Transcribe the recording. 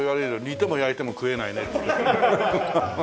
煮ても焼いても食えないねって。